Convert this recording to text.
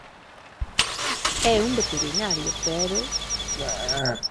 É un veterinario, pero...